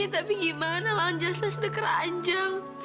ya tapi bagaimana alang jasnah sudekeraanjang